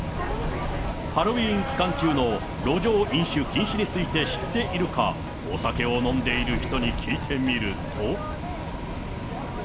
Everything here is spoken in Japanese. ハロウィーン期間中の路上飲酒禁止について知っているか、お酒を飲んでいる人に聞いてみると。